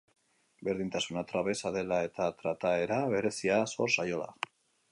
Berdintasuna trabesa dela eta trataera berezia zor zaiola.